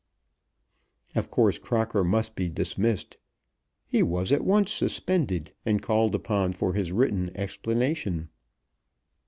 Of course Crocker must be dismissed. He was at once suspended, and called upon for his written explanation.